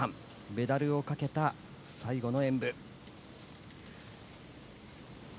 メダルをかけた最後の演武。